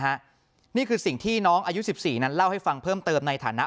นี่คือสิ่งที่น้องอายุ๑๔นั้นเล่าให้ฟังเพิ่มเติมในฐานะ